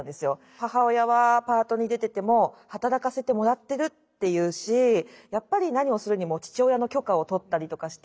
母親はパートに出てても「働かせてもらってる」って言うしやっぱり何をするにも父親の許可を取ったりとかして。